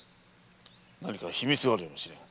何か秘密があるかもしれん。